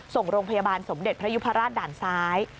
ส่งโรงพยาบาลสมเด็จพระยุพราชด่านซ้าย